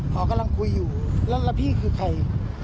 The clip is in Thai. พอกำลังคุยอยู่แล้วพี่คือใคร